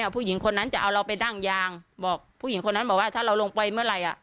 ผู้หญิงคนนั้นจะเอาเราไปดั้งยางบอกผู้หญิงคนนั้นบอกว่าถ้าเราลงไปเมื่อไหร่